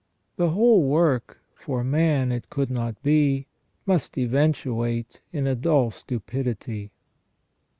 The whole work, for man it could not be, must eventuate in a dull stupidity.